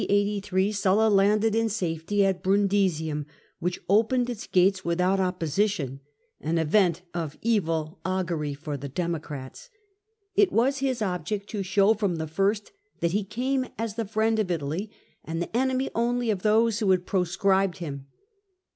83 Sulla landed in safety at Brundisium, which opened its gates without opposition — an event of evil augury for the Democrats. It was his object to show from the first that he came as the friend of Italy, and the enemy only of those who had proscribed him.